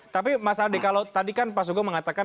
tapi mas ade kalo tadi kan pak suga mengatakan